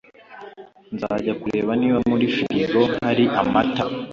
nzajya kureba niba muri firigo hari amata